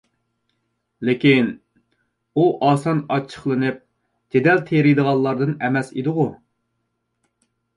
لېكىن، ئۇ ئاسان ئاچچىقلىنىپ، جېدەل تېرىيدىغانلاردىن ئەمەس ئىدىغۇ؟